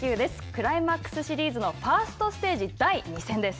クライマックスシリーズのファーストステージ第２戦です。